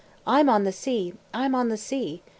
I'm on the Sea! I'm on the Sea!